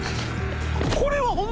これは？